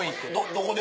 どこで？